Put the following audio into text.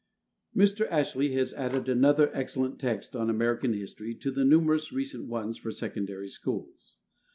Mr. Ashley has added another excellent text on American history to the numerous recent ones for secondary schools.